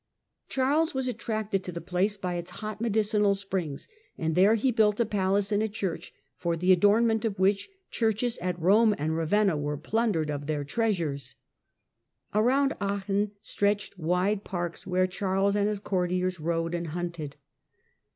Charles was attracted to the place by its hot medicinal springs, and there he built a palace and a church, for the adornment of which churches at Rome and Ravenna were plundered of their treasures. Around Aachen stretched wide parks, where Charles and his courtiers rode and hunted.